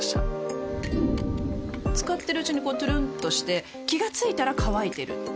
使ってるうちにこうトゥルンとして気が付いたら乾いてる